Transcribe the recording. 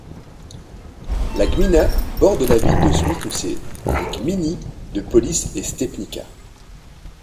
La gmina borde la ville de Świnoujście et les gminy de Police et Stepnica.